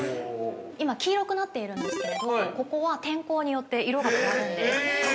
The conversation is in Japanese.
今黄色くなっているんですけれど、ここは天候によって色が変わるんです。